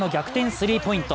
スリーポイント。